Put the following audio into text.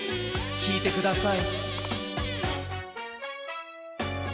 きいてください。